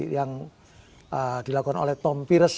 yang dilakukan oleh tom fierce